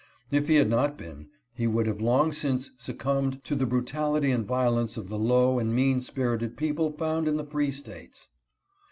If he had not been, he would have long since succumbed to the brutality and violence of the low and mean spirited people found in the Free States.